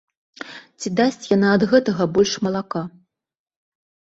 Ці дасць яна ад гэтага больш малака?